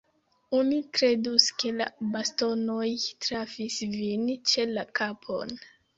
Oni kredus, ke la bastonoj trafis vin ĉe la kapon.